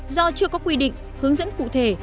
do chưa có quy định hướng dẫn cụ thể